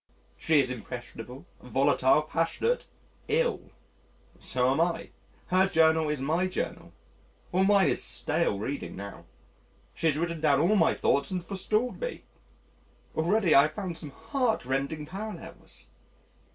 She is impressionable, volatile, passionate ill! So am I. Her journal is my journal. All mine is stale reading now. She has written down all my thoughts and forestalled me! Already I have found some heart rending parallels.